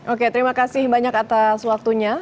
oke terima kasih banyak atas waktunya